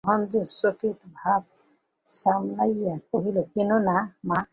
মহেন্দ্র চকিত ভাব সামলাইয়া কহিল, কেন, মা।